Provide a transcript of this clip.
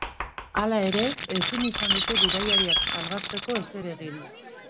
Hala ere, ezin izan dute bidaiariak salbatzeko ezer egin.